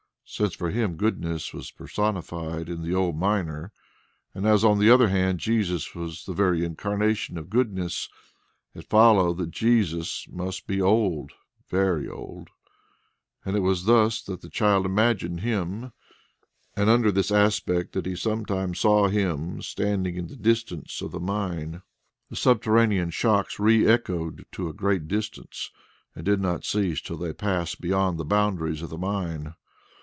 Since for him goodness was personified in the old miner, and as on the other hand Jesus was the very incarnation of goodness, it followed that Jesus must be old, very old. It was thus that the child imagined Him, and under this aspect that he sometimes saw Him standing in the darkness of the mine. The subterranean shocks re echoed to a great distance and did not cease till they passed beyond the boundaries of the mine.